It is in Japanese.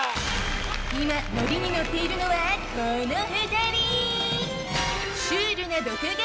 今ノリにノッているのはこの２人！